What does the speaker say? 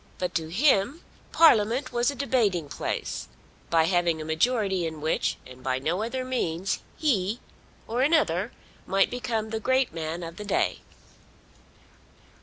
But to him Parliament was a debating place, by having a majority in which, and by no other means, he, or another, might become the great man of the day.